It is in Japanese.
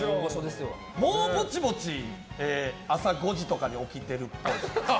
もうボチボチ朝５時とかに起きてるっぽい。